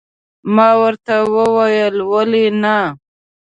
ما ورته وویل، ولې نه.